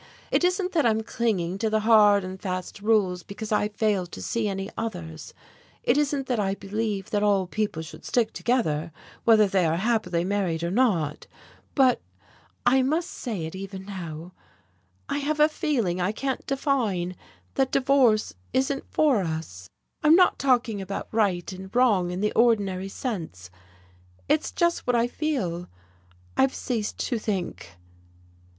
It isn't that I'm clinging to the hard and fast rules because I fail to see any others, it isn't that I believe that all people should stick together whether they are happily married or not, but I must say it even now I have a feeling I can't define that divorce isn't for us. I'm not talking about right and wrong in the ordinary sense it's just what I feel. I've ceased to think."